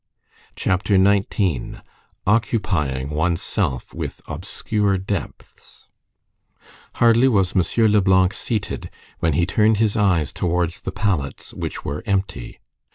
CHAPTER XIX—OCCUPYING ONE'S SELF WITH OBSCURE DEPTHS Hardly was M. Leblanc seated, when he turned his eyes towards the pallets, which were empty.